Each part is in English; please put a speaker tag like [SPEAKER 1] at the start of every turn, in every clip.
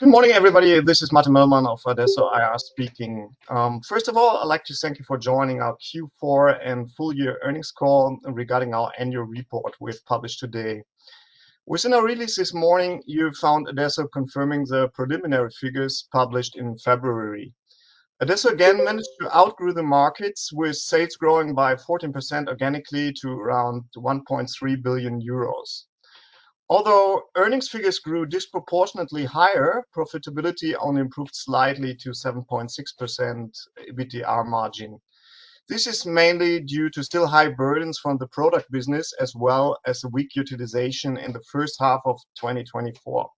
[SPEAKER 1] Good morning, everybody. This is Martin Möllmann of adesso IR speaking. First of all, I'd like to thank you for joining our Q4 and full year earnings call regarding our annual report we've published today. Within our release this morning, you found adesso confirming the preliminary figures published in February. adesso again managed to outgrow the markets with sales growing by 14% organically to around 1.3 billion euros. Although earnings figures grew disproportionately higher, profitability only improved slightly to 7.6% EBITDA margin. This is mainly due to still high burdens from the product business as well as weak utilization in the first half of 2024.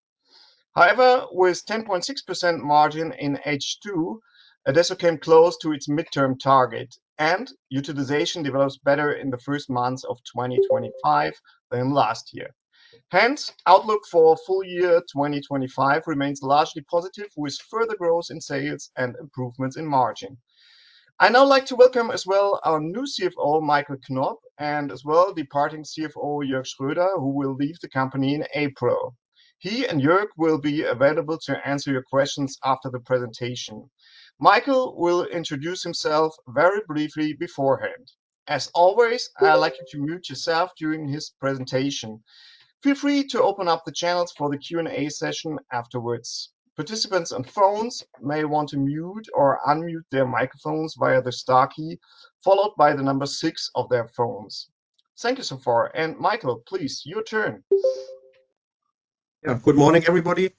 [SPEAKER 1] However, with 10.6% margin in H2, adesso came close to its midterm target and utilization develops better in the first months of 2025 than last year. Outlook for full year 2025 remains largely positive with further growth in sales and improvements in margin. I'd now like to welcome as well our new CFO, Michael Knopp, and as well departing CFO, Jörg Schröder, who will leave the company in April. He and Jörg will be available to answer your questions after the presentation. Michael will introduce himself very briefly beforehand. As always, I'd like you to mute yourself during his presentation. Feel free to open up the channels for the Q&A session afterwards. Participants on phones may want to mute or unmute their microphones via the star key, followed by the number 6 of their phones. Thank you so far. Michael, please, your turn.
[SPEAKER 2] Good morning, everybody.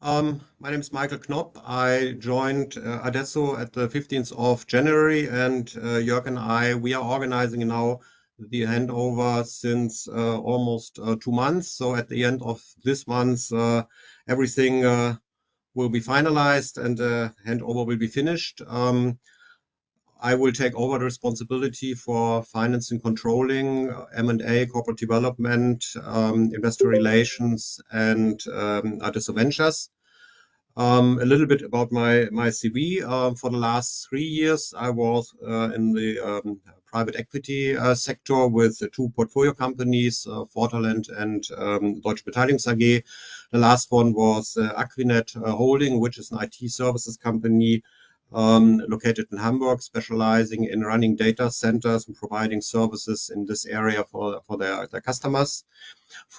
[SPEAKER 2] My name is Michael Knopp. I joined adesso at the January 15th, and Jörg and I, we are organizing now the handover since almost two months. At the end of this month, everything will be finalized and the handover will be finished. I will take over the responsibility for finance and controlling, M&A, corporate development, investor relations, and adesso ventures. A little bit about my CV. For the last three years, I was in the private equity sector with 2 portfolio companies, Waterland and Deutsche Beteiligungs AG. The last one was akquinet Holding, which is an IT services company, located in Hamburg, specializing in running data centers and providing services in this area for their customers.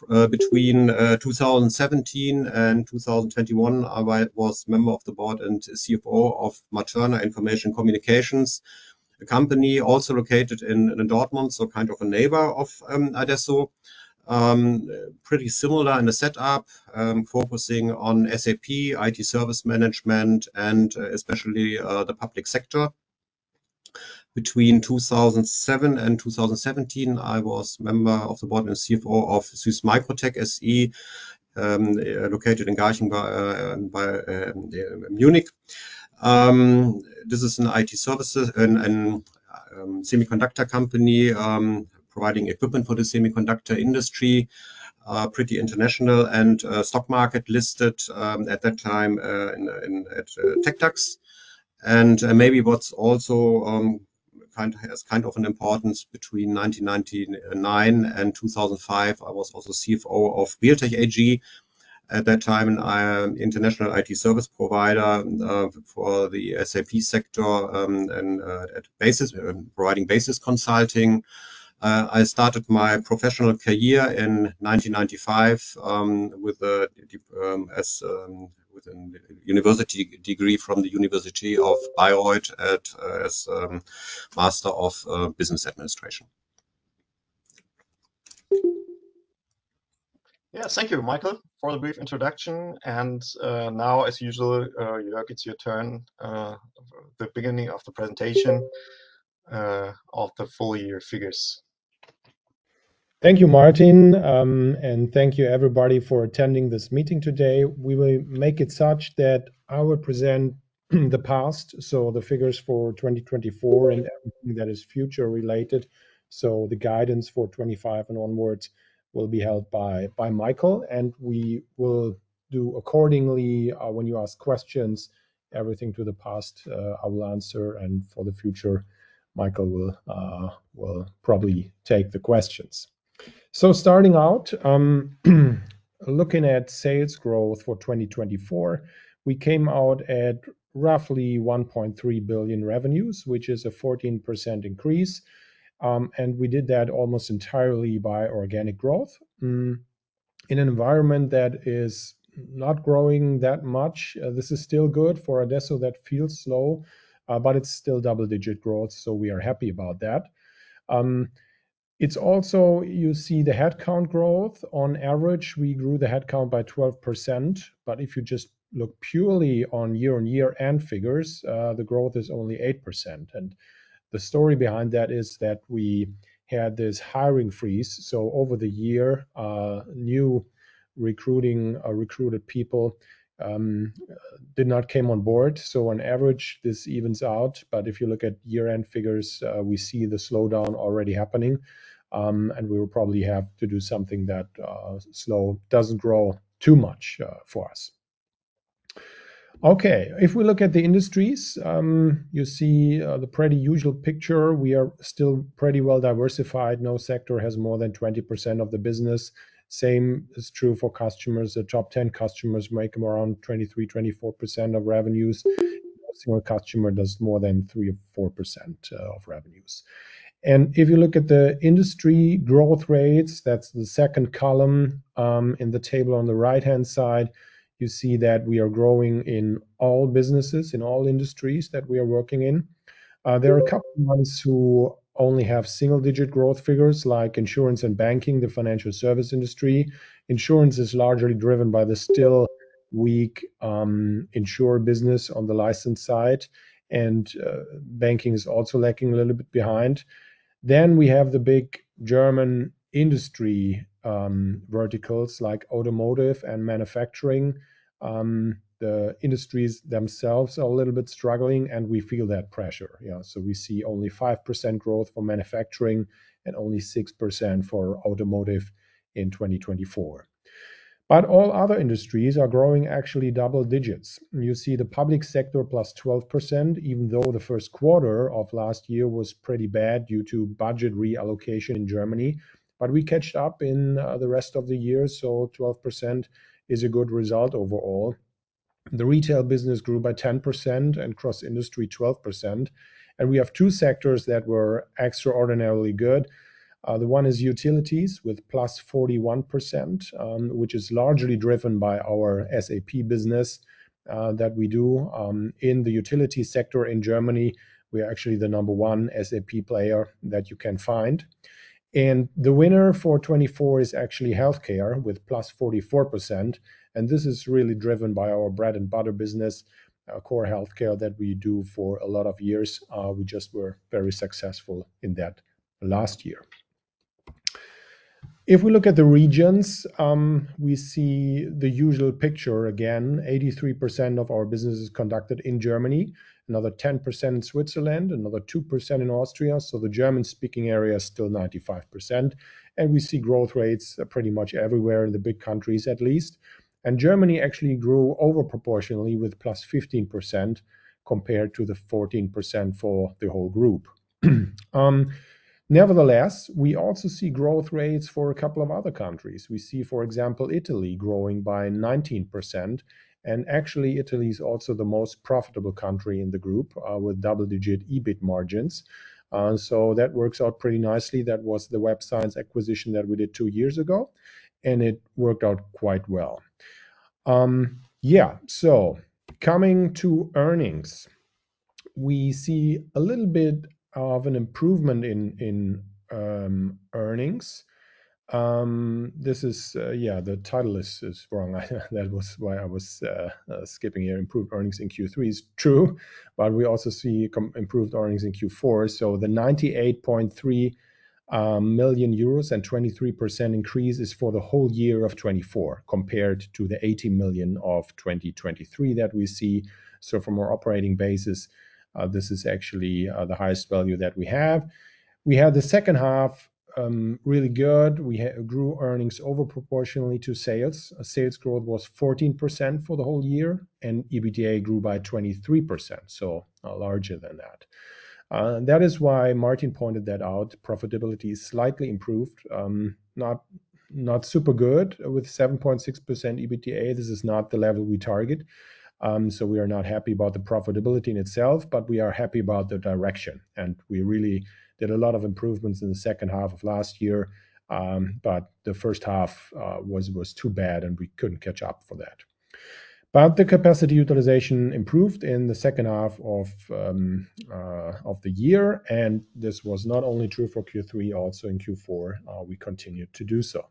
[SPEAKER 2] Between 2017 and 2021, I was member of the board and CFO of Materna Information & Communications, a company also located in Dortmund, so kind of a neighbor of adesso. Pretty similar in the setup, focusing on SAP, IT service management, and especially the public sector. Between 2007 and 2017, I was member of the board and CFO of SÜSS MicroTec SE, located in Garching by Munich. This is an IT services and semiconductor company, providing equipment for the semiconductor industry, pretty international and stock market listed at that time in TecDAX. Maybe what's also, kind of an importance between 1999 and 2005, I was also CFO of BearingPoint AG. At that time, an international IT service provider for the SAP sector, and at Basis, providing Basis consulting. I started my professional career in 1995 with an university degree from the University of Bayreuth as Master of Business Administration.
[SPEAKER 1] Yeah. Thank you, Michael, for the brief introduction. Now, as usual, Jörg, it's your turn, the beginning of the presentation of the full year figures.
[SPEAKER 3] Thank you, Martin. Thank you everybody for attending this meeting today. We will make it such that I will present the past, so the figures for 2024 and everything that is future related. The guidance for 25 and onwards will be held by Michael, and we will do accordingly when you ask questions. Everything to the past, I will answer, and for the future, Michael will probably take the questions. Starting out, looking at sales growth for 2024, we came out at roughly 1.3 billion revenues, which is a 14% increase, and we did that almost entirely by organic growth. In an environment that is not growing that much, this is still good. For adesso, that feels slow, but it's still double-digit growth, so we are happy about that. It's also, you see the headcount growth. On average, we grew the headcount by 12%, but if you just look purely on year-on-year end figures, the growth is only 8%. The story behind that is that we had this hiring freeze, so over the year, new recruiting, recruited people, did not came on board. On average, this evens out. If you look at year-end figures, we see the slowdown already happening, and we will probably have to do something that doesn't grow too much for us. Okay. If we look at the industries, you see the pretty usual picture. We are still pretty well diversified. No sector has more than 20% of the business. Same is true for customers. The top 10 customers make around 23%, 24% of revenues. No single customer does more than 3% or 4% of revenues. If you look at the industry growth rates, that's the second column, in the table on the right-hand side, you see that we are growing in all businesses, in all industries that we are working in. There are a couple ones who only have single-digit growth figures like insurance and banking, the financial service industry. Insurance is largely driven by the still weak in|sure business on the license side, and banking is also lacking a little bit behind. We have the big German industry verticals like automotive and manufacturing. The industries themselves are a little bit struggling, and we feel that pressure. Yeah. We see only 5% growth for manufacturing and only 6% for automotive in 2024. All other industries are growing actually double digits. You see the public sector plus 12%, even though the first quarter of last year was pretty bad due to budget reallocation in Germany. We caught up in the rest of the year, so 12% is a good result overall. The retail business grew by 10% and cross-industry 12%. We have two sectors that were extraordinarily good. The one is utilities with plus 41%, which is largely driven by our SAP business that we do in the utility sector in Germany. We are actually the number one SAP player that you can find. The winner for 2024 is actually healthcare with plus 44%, and this is really driven by our bread and butter business, core healthcare that we do for a lot of years. We just were very successful in that last year. If we look at the regions, we see the usual picture again. 83% of our business is conducted in Germany, another 10% in Switzerland, another 2% in Austria. The German-speaking area is still 95%. We see growth rates pretty much everywhere in the big countries at least. Germany actually grew over proportionally with plus 15% compared to the 14% for the whole group. Nevertheless, we also see growth rates for a couple of other countries. We see, for example, Italy growing by 19%. Italy is also the most profitable country in the group, with double-digit EBIT margins. That works out pretty nicely. That was the WebScience acquisition that we did two years ago, and it worked out quite well. Yeah. Coming to earnings, we see a little bit of an improvement in earnings. This is, the title is wrong. That was why I was skipping here. Improved earnings in Q3 is true, but we also see improved earnings in Q4. The 98.3 million euros and 23% increase is for the whole year of 2024 compared to the 80 million of 2023 that we see. From our operating basis, this is actually the highest value that we have. We have the second half really good. We grew earnings over proportionally to sales. Sales growth was 14% for the whole year, and EBITDA grew by 23%, so larger than that. That is why Martin pointed that out. Profitability is slightly improved, not super good. With 7.6% EBITDA, this is not the level we target. We are not happy about the profitability in itself, but we are happy about the direction. We really did a lot of improvements in the second half of last year, but the first half was too bad and we couldn't catch up for that. The capacity utilization improved in the second half of the year, and this was not only true for Q3, also in Q4, we continued to do so.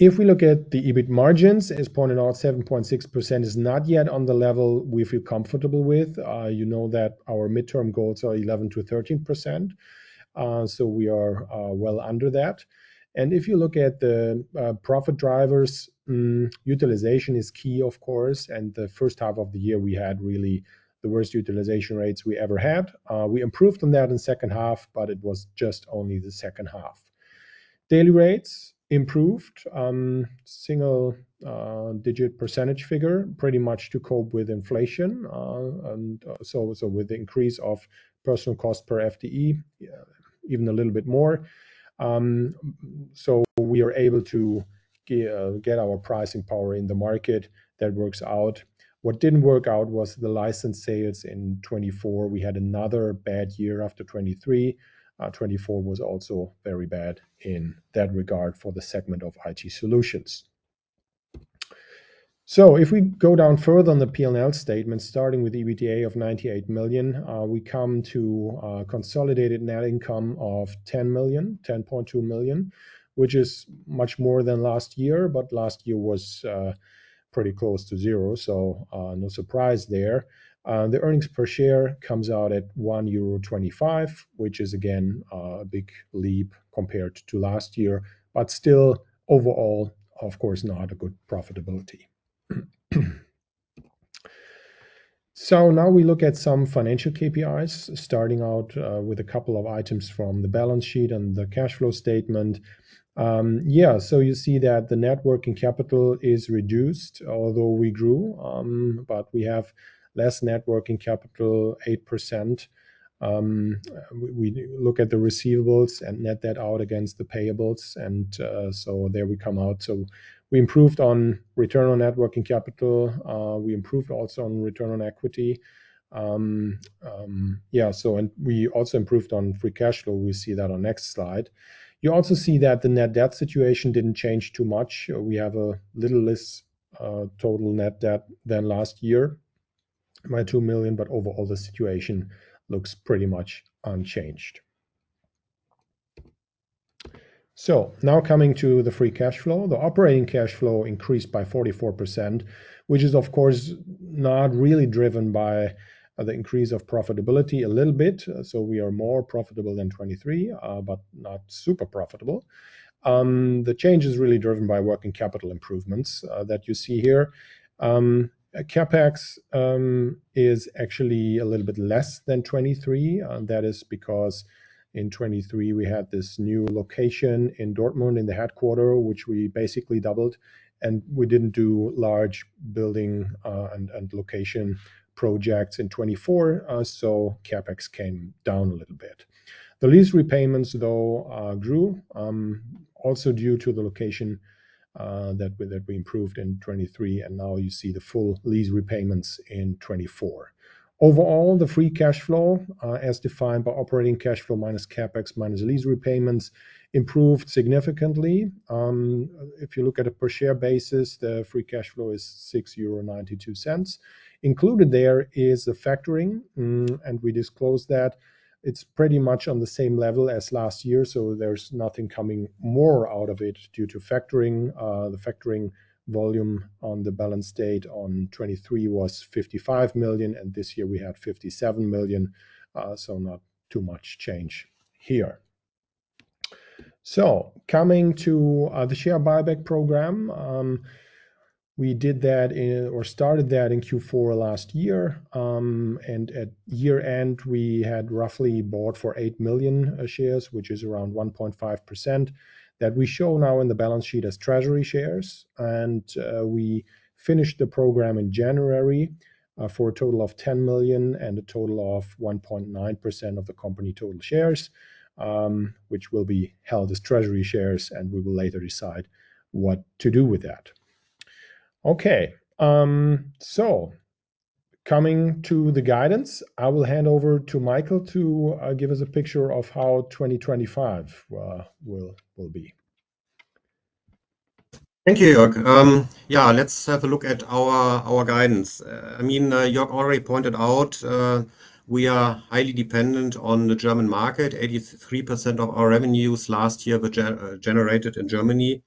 [SPEAKER 3] If we look at the EBIT margins, as pointed out, 7.6% is not yet on the level we feel comfortable with. You know that our midterm goals are 11%-13%. We are well under that. If you look at the profit drivers, utilization is key, of course. The first half of the year, we had really the worst utilization rates we ever had. We improved on that in second half, but it was just only the second half. Daily rates improved, single-digit percentage figure, pretty much to cope with inflation, and with the increase of personnel cost per FTE, even a little bit more. We are able to get our pricing power in the market. That works out. What didn't work out was the license sales in 2024. We had another bad year after 2023. 2024 was also very bad in that regard for the segment of IT solutions. If we go down further on the P&L statement, starting with EBITDA of 98 million, we come to consolidated net income of 10 million, 10.2 million, which is much more than last year, but last year was pretty close to zero, so no surprise there. The earnings per share comes out at 1.25 euro, which is again a big leap compared to last year, but still overall, of course, not a good profitability. Now we look at some financial KPIs, starting out with a couple of items from the balance sheet and the cash flow statement. Yeah, so you see that the net working capital is reduced, although we grew, but we have less net working capital, 8%. We look at the receivables and net that out against the payables, there we come out. We improved on return on net working capital. We improved also on return on equity. We also improved on free cash flow. We see that on next slide. You also see that the net debt situation didn't change too much. We have a little less total net debt than last year by 2 million, overall the situation looks pretty much unchanged. Now coming to the free cash flow. The operating cash flow increased by 44%, which is, of course, not really driven by the increase of profitability a little bit, we are more profitable than 2023, not super profitable. The change is really driven by working capital improvements that you see here. CapEx is actually a little bit less than 2023. That is because in 2023 we had this new location in Dortmund in the headquarter, which we basically doubled, and we didn't do large building and location projects in 2024. CapEx came down a little bit. The lease repayments, though, grew also due to the location that we improved in 2023 and now you see the full lease repayments in 2024. Overall, the free cash flow, as defined by operating cash flow minus CapEx minus lease repayments, improved significantly. If you look at a per share basis, the free cash flow is 6.92 euro. Included there is the factoring. We disclose that. It's pretty much on the same level as last year, so there's nothing coming more out of it due to factoring. The factoring volume on the balance date on 2023 was 55 million, and this year we had 57 million, not too much change here. The share buyback program, we did that in or started that in Q4 last year. At year-end, we had roughly bought for 8 million shares, which is around 1.5%, that we show now in the balance sheet as treasury shares. We finished the program in January for a total of 10 million and a total of 1.9% of the company total shares, which will be held as treasury shares, and we will later decide what to do with that. Okay. Coming to the guidance, I will hand over to Michael to give us a picture of how 2025 will be.
[SPEAKER 2] Thank you, Jörg. Yeah, let's have a look at our guidance. I mean, Jörg already pointed out, we are highly dependent on the German market. 83% of our revenues last year were generated in Germany.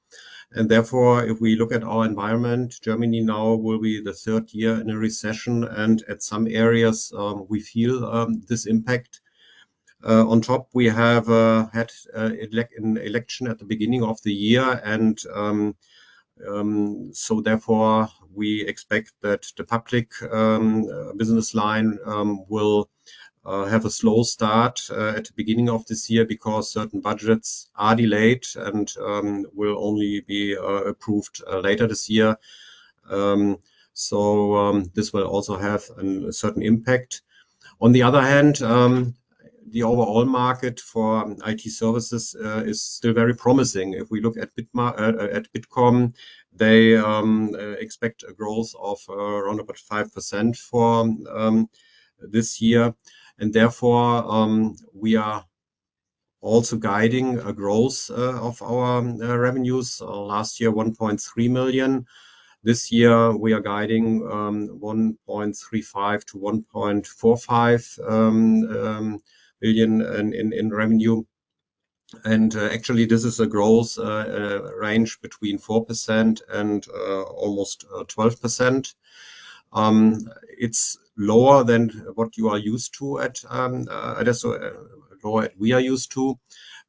[SPEAKER 2] Therefore, if we look at our environment, Germany now will be the third year in a recession, and at some areas, we feel this impact. On top, we have had an election at the beginning of the year, therefore we expect that the public business line will have a slow start at the beginning of this year because certain budgets are delayed and will only be approved later this year. This will also have a certain impact. On the other hand, the overall market for IT solutions is still very promising. If we look at Bitkom, they expect a growth of around 5% for this year. Therefore, we are also guiding a growth of our revenues. Last year, 1.3 million. This year we are guiding 1.35 billion-1.45 billion in revenue. Actually, this is a growth range between 4% and almost 12%. It's lower than what you are used to, lower we are used to,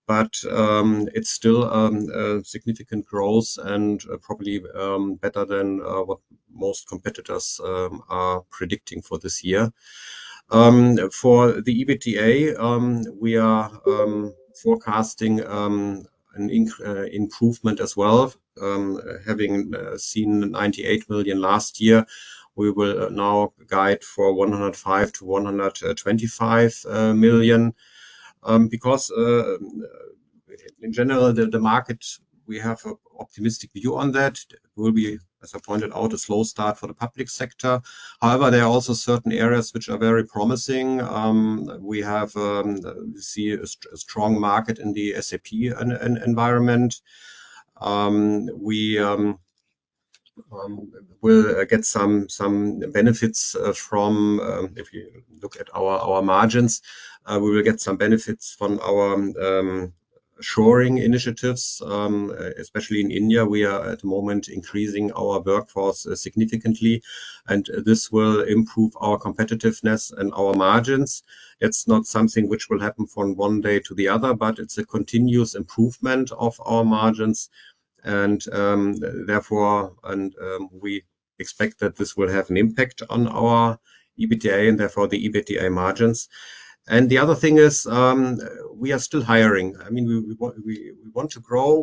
[SPEAKER 2] but it's still a significant growth and probably better than what most competitors are predicting for this year. For the EBITDA, we are forecasting an improvement as well. Having seen 98 million last year, we will now guide for 105 million-125 million. In general the market, we have a optimistic view on that. Will be, as I pointed out, a slow start for the public sector. However, there are also certain areas which are very promising. We have see a strong market in the SAP environment. We will get some benefits from if you look at our margins. We will get some benefits from our shoring initiatives, especially in India. We are at the moment increasing our workforce significantly, and this will improve our competitiveness and our margins. It's not something which will happen from one day to the other, but it's a continuous improvement of our margins, and therefore, we expect that this will have an impact on our EBITDA and therefore the EBITDA margins. The other thing is, we are still hiring. I mean, we want to grow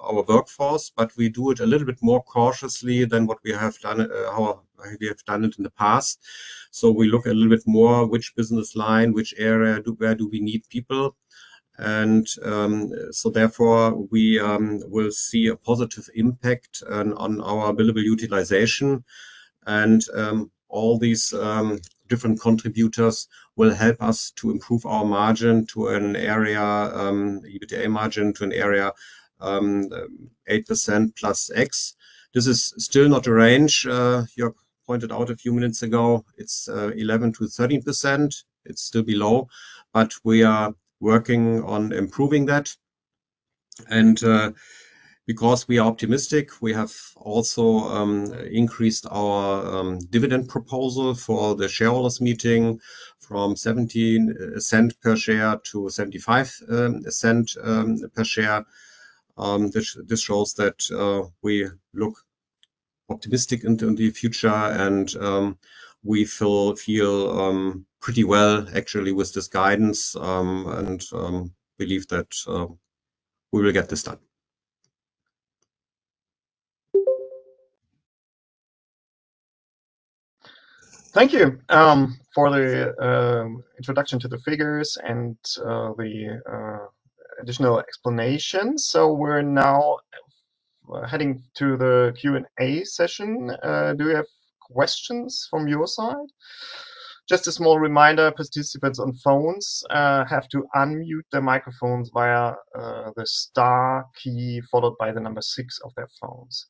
[SPEAKER 2] our workforce, but we do it a little bit more cautiously than what we have done, how we have done it in the past. We look a little bit more which business line, which area where do we need people. Therefore, we will see a positive impact on our billable utilization and all these different contributors will help us to improve our margin to an area, EBITDA margin to an area, 8% +X. This is still not a range. Jörg pointed out a few minutes ago, it's 11%-13%. It's still below, but we are working on improving that. Because we are optimistic, we have also increased our dividend proposal for the shareholders' meeting from 17 cent per share to 75 cent per share. This shows that we look optimistic into the future and we feel pretty well actually with this guidance and believe that we will get this done.
[SPEAKER 1] Thank you, for the introduction to the figures and the additional explanations. We're now heading to the Q&A session. Do we have questions from your side? Just a small reminder, participants on phones have to unmute their microphones via the star key, followed by the number six of their phones.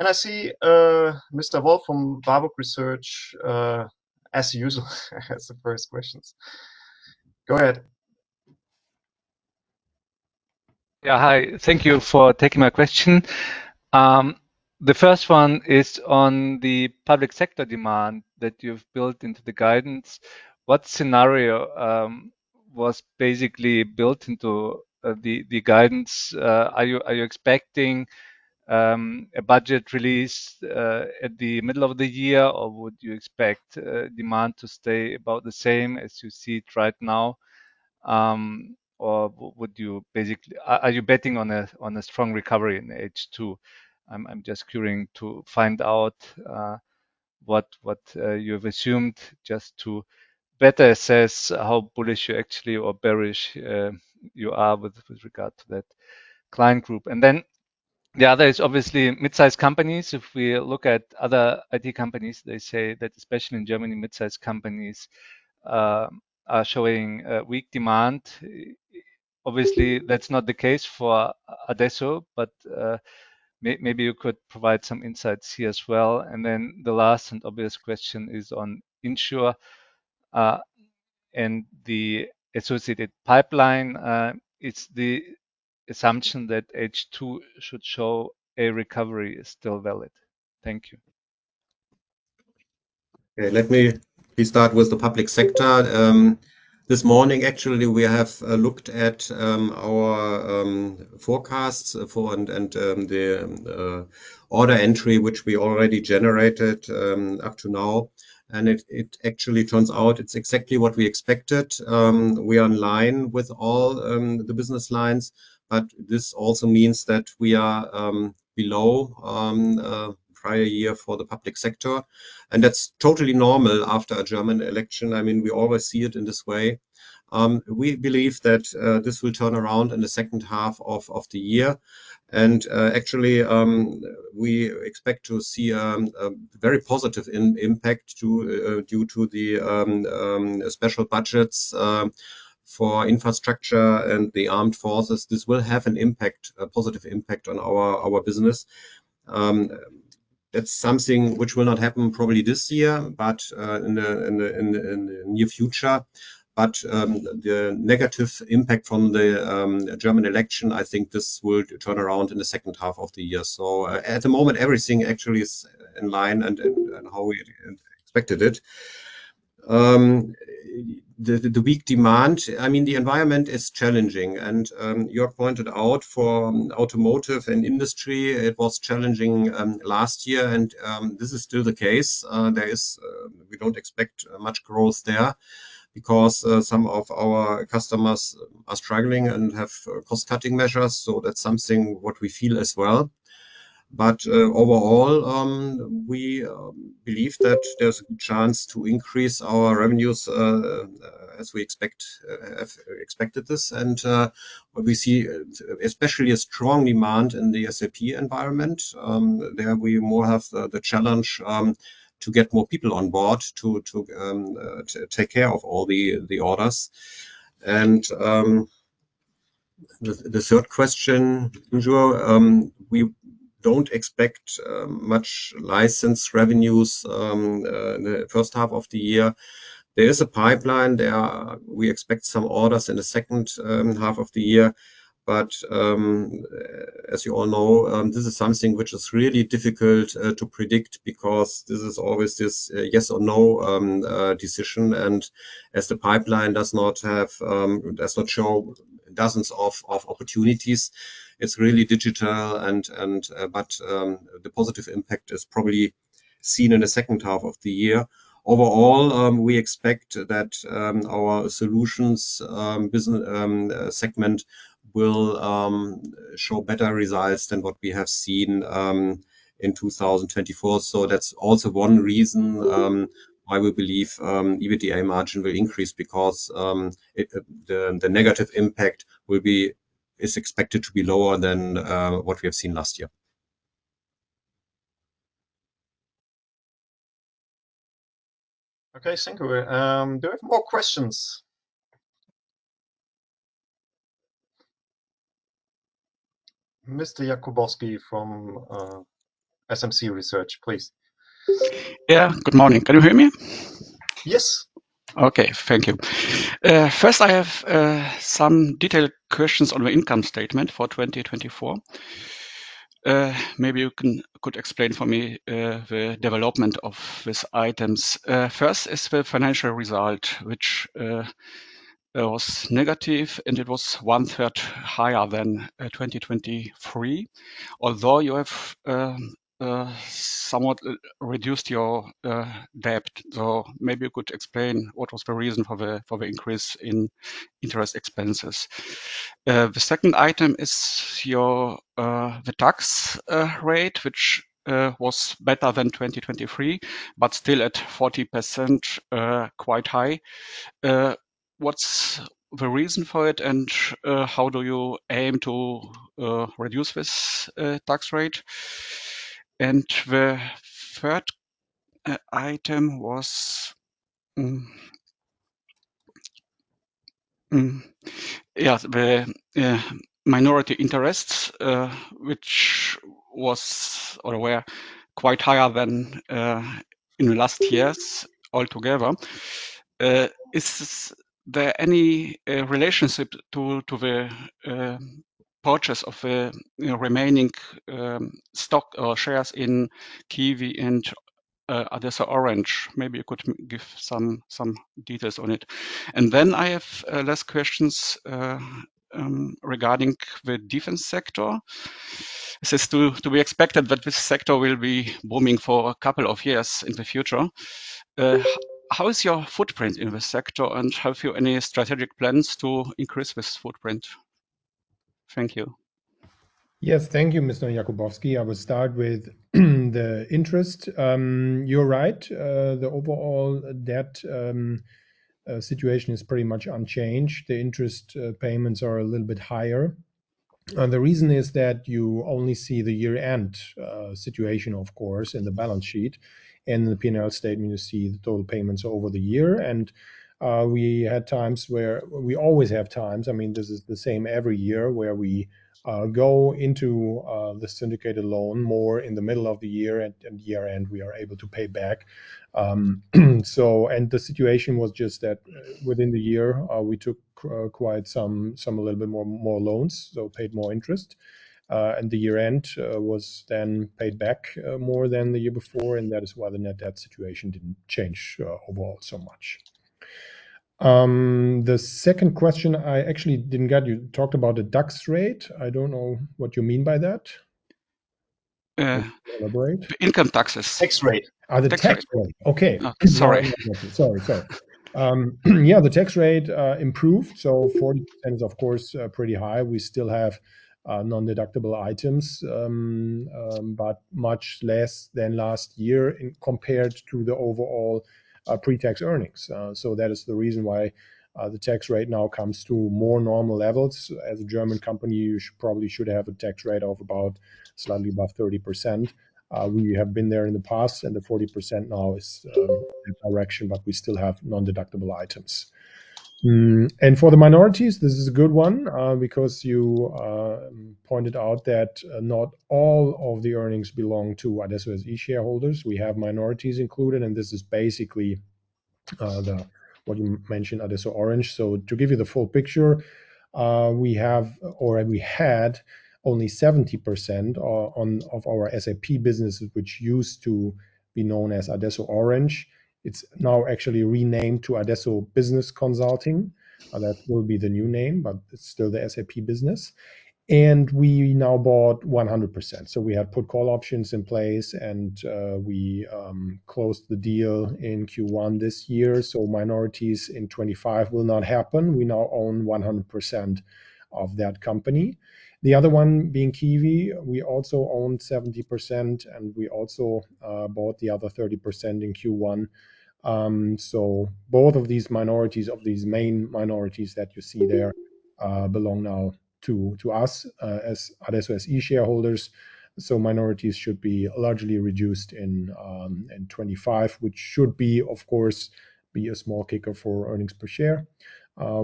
[SPEAKER 1] I see Mr. Wolf from Warburg Research, as usual, has the first questions. Go ahead.
[SPEAKER 4] Yeah. Hi. Thank you for taking my question. The first one is on the public sector demand that you've built into the guidance. What scenario was basically built into the guidance? Are you expecting a budget release at the middle of the year, or would you expect demand to stay about the same as you see it right now? Or would you basically, are you betting on a strong recovery in H2? I'm just curious to find out what you have assumed just to better assess how bullish you actually or bearish you are with regard to that client group. Then the other is obviously mid-sized companies. If we look at other IT companies, they say that especially in Germany, mid-sized companies are showing weak demand. Obviously, that's not the case for adesso, but maybe you could provide some insights here as well. The last and obvious question is on in|sure and the associated pipeline. Is the assumption that H2 should show a recovery is still valid? Thank you.
[SPEAKER 2] Okay. Let me start with the public sector. This morning, actually, we have looked at our forecasts for and the order entry, which we already generated up to now. It actually turns out it's exactly what we expected. We are in line with all the business lines, but this also means that we are below prior year for the public sector, and that's totally normal after a German election. I mean, we always see it in this way. We believe that this will turn around in the second half of the year. Actually, we expect to see a very positive impact due to the special budgets for infrastructure and the armed forces. This will have an impact, a positive impact on our business. That's something which will not happen probably this year, but in the near future. The negative impact from the German election, I think this will turn around in the second half of the year. At the moment, everything actually is in line and how we expected it. The weak demand, I mean, the environment is challenging, and Jörg pointed out for automotive and industry, it was challenging last year, and this is still the case. There is we don't expect much growth there because some of our customers are struggling and have cost-cutting measures, that's something what we feel as well. Overall, we believe that there's a good chance to increase our revenues as we expect, have expected this. We see especially a strong demand in the SAP environment. There we more have the challenge to get more people on board to take care of all the orders. The third question, in|sure, we don't expect much license revenues in the first half of the year. There is a pipeline. We expect some orders in the second half of the year. As you all know, this is something which is really difficult to predict because this is always this yes or no decision. As the pipeline does not have, does not show dozens of opportunities, it's really digital and, but, the positive impact is probably seen in the second half of the year. Overall, we expect that our solutions segment will show better results than what we have seen in 2024. That's also one reason why we believe EBITDA margin will increase because it, the negative impact is expected to be lower than what we have seen last year.
[SPEAKER 1] Okay, thank you. Do we have more questions? Mr. Jakubowski from SMC Research, please.
[SPEAKER 5] Yeah. Good morning. Can you hear me?
[SPEAKER 3] Yes.
[SPEAKER 5] Okay. Thank you. First, I have some detailed questions on the income statement for 2024. Maybe you could explain for me the development of these items. First is the financial result, which was negative, it was one-third higher than 2023. Although you have somewhat reduced your debt. Maybe you could explain what was the reason for the increase in interest expenses. The second item is your tax rate, which was better than 2023, still at 40%, quite high. What's the reason for it, how do you aim to reduce this tax rate? The third item was the minority interests, which was or were quite higher than in the last years altogether. Is there any relationship to the purchase of remaining stock or shares in KIWI and adesso orange? Maybe you could give some details on it. I have last questions regarding the defense sector. Is this to be expected that this sector will be booming for a couple of years in the future? How is your footprint in this sector, and have you any strategic plans to increase this footprint? Thank you.
[SPEAKER 3] Yes. Thank you, Mr. Jakubowski. I will start with the interest. You're right, the overall debt situation is pretty much unchanged. The interest payments are a little bit higher. The reason is that you only see the year-end situation, of course, in the balance sheet. In the P&L statement, you see the total payments over the year. We had times, we always have times, I mean, this is the same every year, where we go into the syndicated loan more in the middle of the year, at year-end, we are able to pay back. The situation was just that within the year, we took quite some a little bit more loans, so paid more interest. The year-end was then paid back more than the year before, and that is why the net debt situation didn't change overall so much. The second question I actually didn't get. You talked about the tax rate. I don't know what you mean by that.
[SPEAKER 5] Uh.
[SPEAKER 3] Elaborate.
[SPEAKER 5] Income taxes.
[SPEAKER 2] Tax rate.
[SPEAKER 3] Oh, the tax rate. Okay.
[SPEAKER 5] Sorry.
[SPEAKER 3] Sorry. Sorry. Yeah, the tax rate improved, 40% is, of course, pretty high. We still have non-deductible items, much less than last year in compared to the overall pre-tax earnings. That is the reason why the tax rate now comes to more normal levels. As a German company, you probably should have a tax rate of about slightly above 30%. We have been there in the past, the 40% now is a correction, we still have non-deductible items. For the minorities, this is a good one, because you pointed out that not all of the earnings belong to adesso SE shareholders. We have minorities included, this is basically the, what you mentioned, adesso orange. To give you the full picture, we have or we had only 70% of our SAP business, which used to be known as adesso orange. It's now actually renamed to adesso business consulting. That will be the new name, but it's still the SAP business. We now bought 100%. We have put call options in place and we closed the deal in Q1 this year. Minorities in 2025 will not happen. We now own 100% of that company. The other one being KIWI, we also own 70%, and we also bought the other 30% in Q1. Both of these minorities, of these main minorities that you see there, belong now to us, as adesso SE shareholders. Minorities should be largely reduced in 2025, which should be, of course, a small kicker for earnings per share,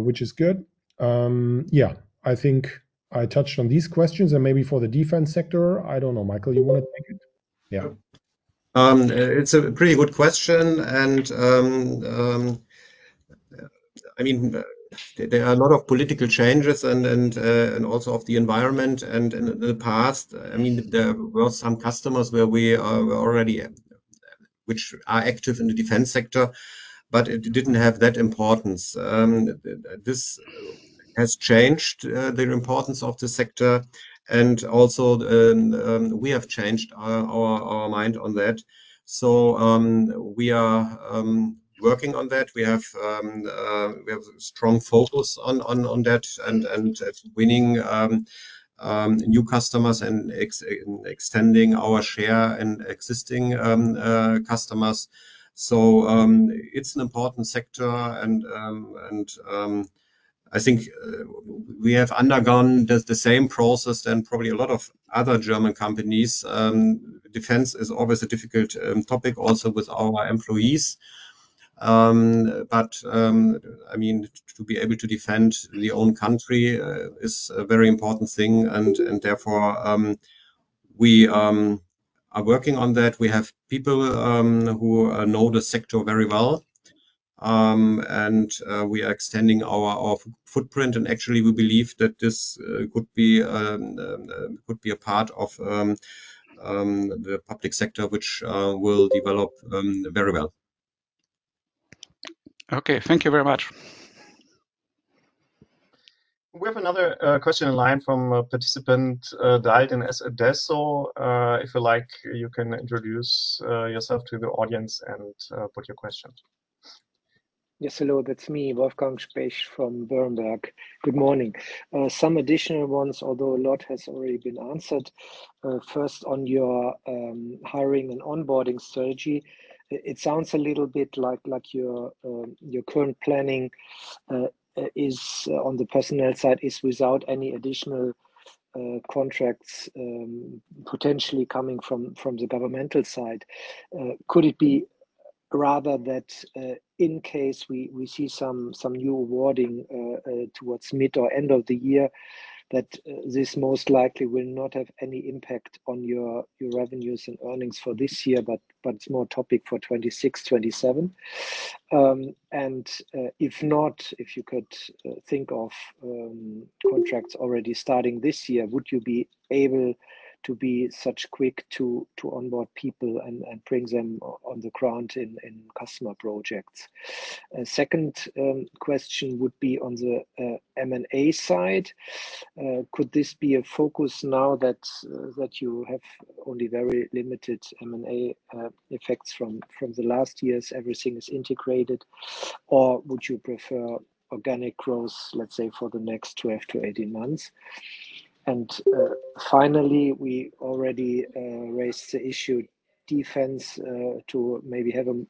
[SPEAKER 3] which is good. Yeah. I think I touched on these questions and maybe for the defense sector, I don't know. Michael, you wanna take it? Yeah.
[SPEAKER 2] It's a pretty good question. I mean, there are a lot of political changes and also of the environment. In the past, I mean, there were some customers where we already which are active in the defense sector, but it didn't have that importance. This has changed the importance of the sector. Also, we have changed our mind on that. We are working on that. We have strong focus on that and winning new customers and extending our share in existing customers. It's an important sector. I think we have undergone the same process than probably a lot of other German companies. Defense is always a difficult topic also with our employees. I mean, to be able to defend your own country, is a very important thing and therefore, we are working on that. We have people who know the sector very well. We are extending our footprint, and actually we believe that this could be a part of the public sector, which will develop very well.
[SPEAKER 5] Okay. Thank you very much.
[SPEAKER 1] We have another question in line from a participant, dialed in as adesso. If you like, you can introduce yourself to the audience and put your question.
[SPEAKER 6] Yes, hello. That's me, Wolfgang Specht from Berenberg. Good morning. Some additional ones, although a lot has already been answered. First on your hiring and onboarding strategy, it sounds a little bit like your current planning is on the personnel side is without any additional contracts, potentially coming from the governmental side. Could it be rather that in case we see some new awarding towards mid or end of the year, that this most likely will not have any impact on your revenues and earnings for this year, but it's more topic for 2026, 2027? If not, if you could think of contracts already starting this year, would you be able to be such quick to onboard people and bring them on the ground in customer projects? Second, question would be on the M&A side. Could this be a focus now that you have only very limited M&A effects from the last years, everything is integrated? Would you prefer organic growth, let's say, for the next 12-18 months? Finally, we already raised the issue defense to maybe have a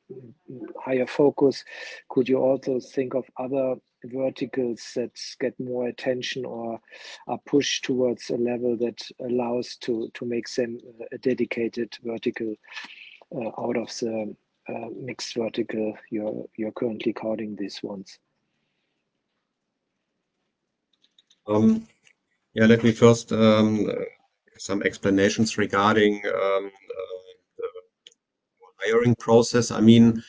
[SPEAKER 6] higher focus. Could you also think of other verticals that get more attention or are pushed towards a level that allows to make them a dedicated vertical out of the mixed vertical you're currently calling these ones?
[SPEAKER 2] Yeah. Let me first, some explanations regarding the hiring process. I mean,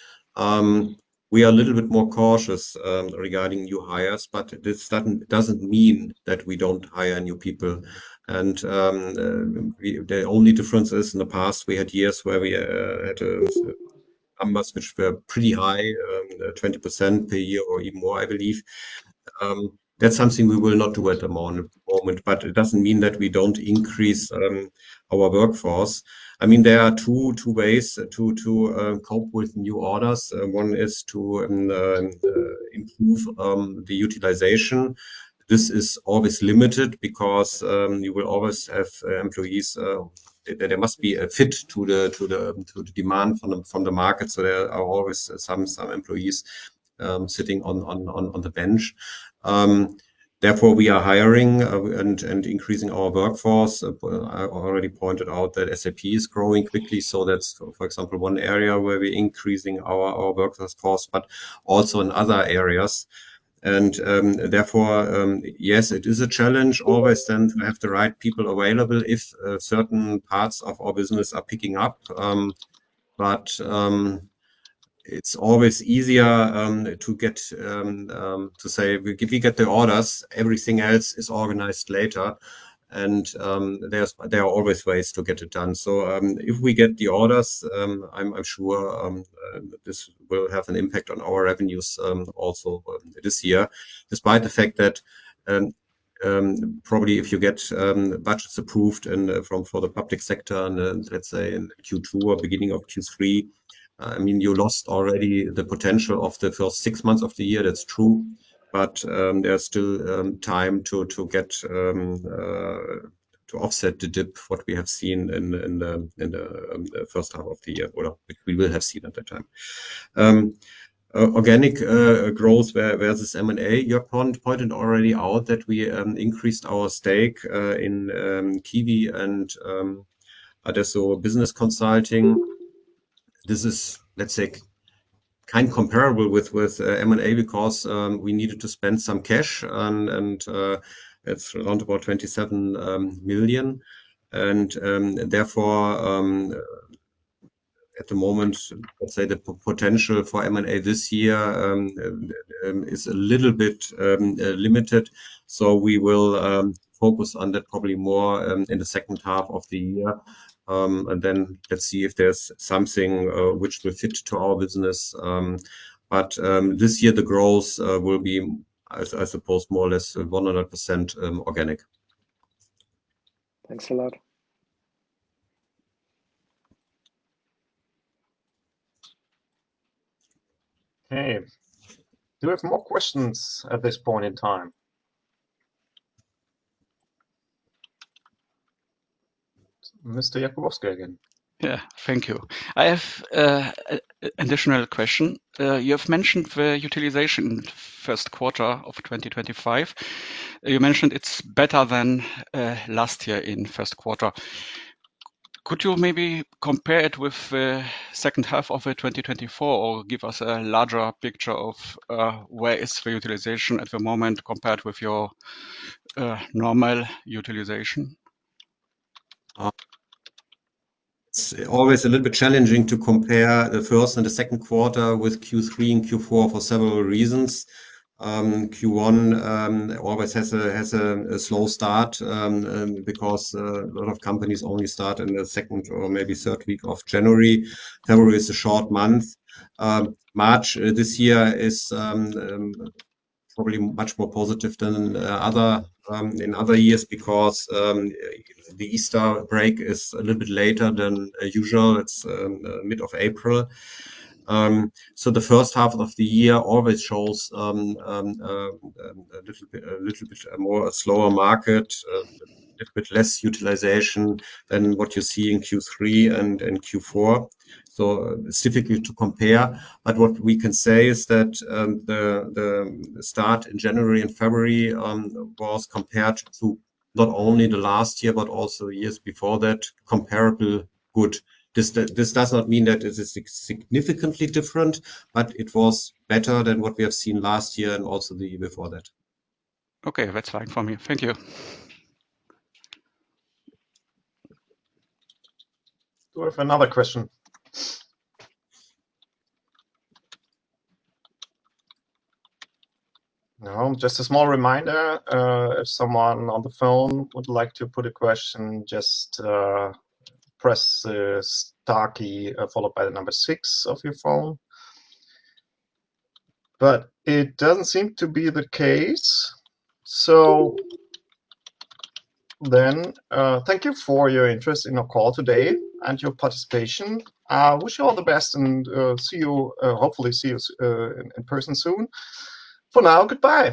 [SPEAKER 2] we are a little bit more cautious regarding new hires, but this doesn't mean that we don't hire new people. The only difference is in the past, we had years where we had numbers which were pretty high, 20% per year or even more, I believe. That's something we will not do at the moment, but it doesn't mean that we don't increase our workforce. I mean, there are two ways to cope with new orders. One is to improve the utilization. This is always limited because you will always have employees, there must be a fit to the demand from the market. There are always some employees sitting on the bench. Therefore, we are hiring and increasing our workforce. I already pointed out that SAP is growing quickly, that's, for example, one area where we're increasing our workforce, but also in other areas. Therefore, yes, it is a challenge always then to have the right people available if certain parts of our business are picking up. It's always easier to get, if we get the orders, everything else is organized later. There are always ways to get it done. If we get the orders, I'm sure this will have an impact on our revenues also this year, despite the fact that probably if you get budgets approved and for the public sector in, let's say in Q2 or beginning of Q3, I mean, you lost already the potential of the first 6 months of the year. That's true. There's still time to get to offset the dip what we have seen in the first half of the year, or we will have seen at that time. Organic growth versus M&A, you pointed already out that we increased our stake in KIWI and adesso business consulting. This is, let's say, kind comparable with M&A because we needed to spend some cash and it's around about 27 million. Therefore, at the moment, I'd say the potential for M&A this year is a little bit limited. We will focus on that probably more in the second half of the year. Then let's see if there's something which will fit to our business. This year the growth will be, I suppose, more or less 100% organic.
[SPEAKER 6] Thanks a lot.
[SPEAKER 1] Okay. Do we have more questions at this point in time? Mr. Jakubowski again.
[SPEAKER 5] Yeah. Thank you. I have an additional question. You have mentioned the utilization first quarter of 2025. You mentioned it's better than last year in first quarter. Could you maybe compare it with the second half of 2024, or give us a larger picture of where is the utilization at the moment compared with your normal utilization?
[SPEAKER 2] It's always a little bit challenging to compare the first and the second quarter with Q3 and Q4 for several reasons. Q1 always has a slow start because a lot of companies only start in the second or maybe third week of January. February is a short month. March this year is probably much more positive than other in other years because the Easter break is a little bit later than usual. It's mid of April. The first half of the year always shows a little bit more a slower market, a little bit less utilization than what you see in Q3 and in Q4. What we can say is that, the start in January and February was compared to not only the last year, but also years before that, comparable good. This does not mean that it is significantly different, but it was better than what we have seen last year and also the year before that.
[SPEAKER 5] Okay. That's fine for me. Thank you.
[SPEAKER 1] Do we have another question? No. Just a small reminder, if someone on the phone would like to put a question, just press the star key followed by six of your phone. It doesn't seem to be the case. Thank you for your interest in our call today and your participation. Wish you all the best and see you, hopefully see you in person soon. For now, goodbye.